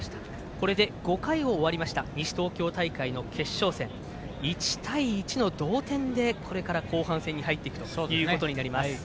これで５回を終わりました西東京大会の決勝戦、１対１の同点で、これから後半戦に入っていくことになります。